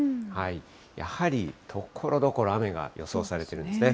やはりところどころ、雨が予想されてるんですね。